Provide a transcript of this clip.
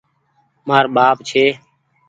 مآر ٻآپ ڇي۔